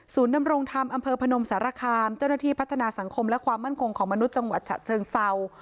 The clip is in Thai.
ดำรงธรรมอำเภอพนมสารคามเจ้าหน้าที่พัฒนาสังคมและความมั่นคงของมนุษย์จังหวัดฉะเชิงเศร้า